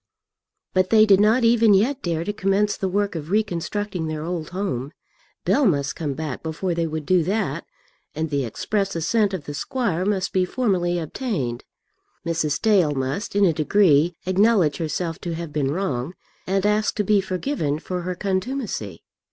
But they did not even yet dare to commence the work of reconstructing their old home. Bell must come back before they would do that, and the express assent of the squire must be formally obtained. Mrs. Dale must, in a degree, acknowledge herself to have been wrong, and ask to be forgiven for her contumacy.